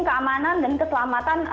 keamanan dan keselamatan